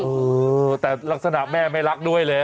เออแต่ลักษณะแม่ไม่รักด้วยเลย